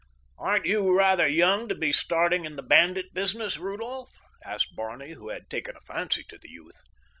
"Aren't you rather young to be starting in the bandit business, Rudolph?" asked Barney, who had taken a fancy to the youth.